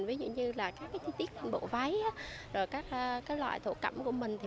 ví dụ như các chi tiết bộ váy các loại thổ cẩm của mình